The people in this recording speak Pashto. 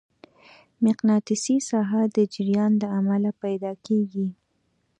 مقناطیسي ساحه د جریان له امله پیدا کېږي.